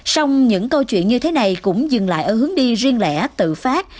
sông những câu chuyện như thế này cũng dừng lại ở hướng đi riêng lẻ tự phát